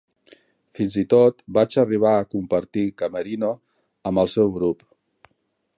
Fins i tot vaig arribar a compartir camerino amb el seu grup.